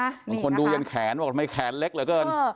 บางคนดูยันแขนบอกทำไมแขนเล็กเหลือเกิน